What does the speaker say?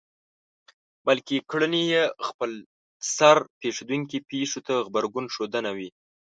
بلکې کړنې يې خپلسر پېښېدونکو پېښو ته غبرګون ښودنه وي.